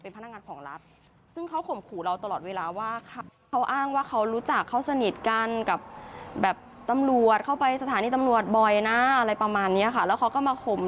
เพราะความดีเนาะมันคนละส่วน